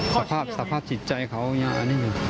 สภาพสภาพจิตใจเขายังอันนี้อยู่